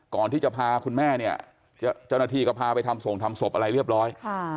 ก่อนที่จะพาคุณแม่เนี่ยเจ้าหน้าที่ก็พาไปทำส่งทำศพอะไรเรียบร้อย